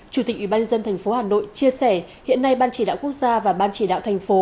chủ tịch ủy ban nhân dân tp hà nội chia sẻ hiện nay ban chỉ đạo quốc gia và ban chỉ đạo thành phố